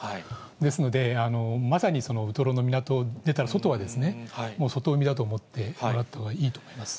ですので、まさにウトロの港を出たら、外は、もう外海だと思ってもらってもいいと思います。